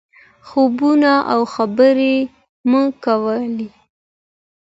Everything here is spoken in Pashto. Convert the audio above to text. خوبونه او خبرې مو کولې.